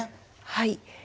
はい。